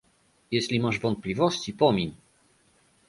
"Jeśli masz wątpliwości, pomiń"